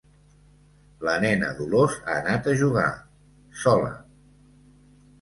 La nena Dolors ha anat a jugar, sola.